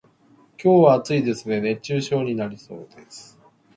今日は暑いですね、熱中症になりそうです。